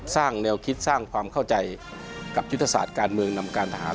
สร้างแนวคิดสร้างความเข้าใจกับยุทธศาสตร์การเมืองนำการทหาร